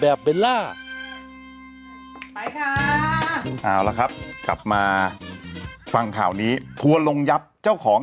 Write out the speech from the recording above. เบลล่าไปค่ะเอาละครับกลับมาฟังข่าวนี้ทัวร์ลงยับเจ้าของ